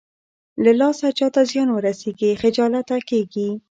له لاسه چاته زيان ورسېږي خجالته کېږي.